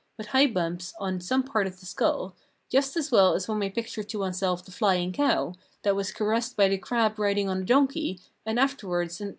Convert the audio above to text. with high bumps on some part of the skull, just as well as one may picture to oneself the flying cow, that was caressed by the crab riding on a donkey, and afterwards, etc.